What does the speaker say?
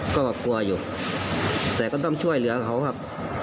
ก็กลัวอยู่แต่ก็ต้องช่วยเหลือเขาครับ